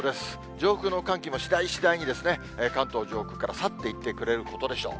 上空の寒気もしだいしだいに、関東上空から去っていってくれることでしょう。